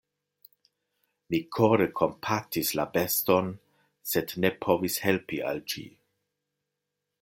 Mi kore kompatis la beston, sed ne povis helpi al ĝi.